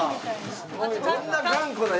すごいね。